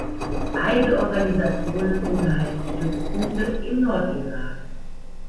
Beide Organisationen unterhalten Stützpunkte im Nordirak.